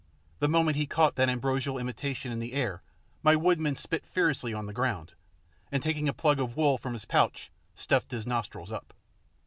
The moment he caught that ambrosial invitation in the air my woodman spit fiercely on the ground, and taking a plug of wool from his pouch stuffed his nostrils up.